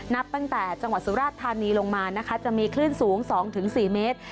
นับตั้งแต่จังหวัดสุราชธานีลงมานะคะจะมีคลื่นสูง๒๔เมตร